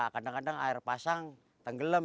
kadang kadang air pasang tenggelam